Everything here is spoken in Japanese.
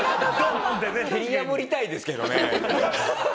蹴り破りたいですけどね。